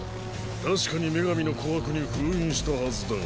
確かに「女神の琥魄」に封印したはずだが。